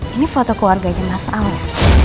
ini foto keluarganya mas amel